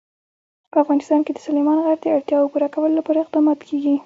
په افغانستان کې د سلیمان غر د اړتیاوو پوره کولو لپاره اقدامات کېږي.